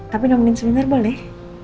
tapi nomenin sebentar boleh